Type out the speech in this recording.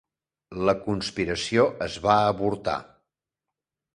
La conspiració es va avortar.